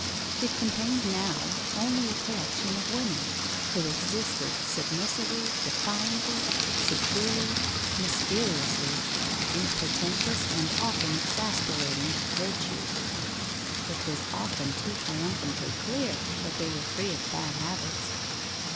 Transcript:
It contained now only a collection of women who existed submissively, defiantly, securely, mysteriously, in a pretentious and often exasperating virtue. It was often too triumphantly clear that they were free of bad habits.